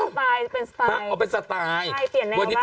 กล้องกว้างอย่างเดียว